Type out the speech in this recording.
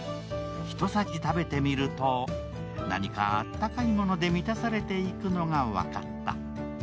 ひとさじ食べてみると何か温かいもので満たされていくのが分かった。